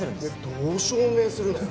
どう証明するの？